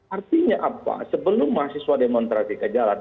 artinya apa sebelum mahasiswa demonstrasi ke jalan